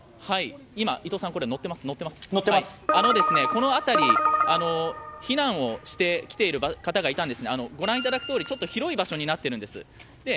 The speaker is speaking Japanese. この辺り避難してきている方いたんですがご覧いただくとおり、ちょっと広い場所になっているんです。